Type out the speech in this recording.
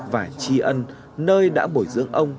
và chi ân nơi đã bồi dưỡng ông